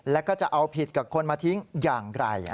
แล้วก็จะเอาผิดกับคนมาทิ้งอย่างไร